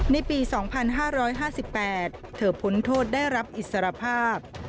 ในปี๒๕๕๘เธอพ้นโทษได้รับอิสรภาพ